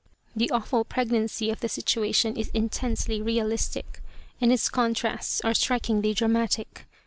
The awful pregnancy of the situation is intensely realistic, and its contrasts are strikingly dramatic.